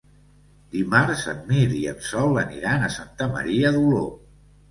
Dimarts en Mirt i en Sol aniran a Santa Maria d'Oló.